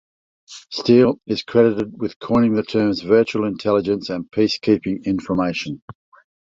Steele is credited with coining the terms "virtual intelligence" and "peacekeeping information".